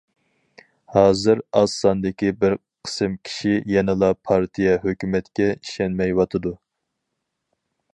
ھازىر ئاز ساندىكى بىر قىسىم كىشى يەنىلا پارتىيە، ھۆكۈمەتكە ئىشەنمەيۋاتىدۇ.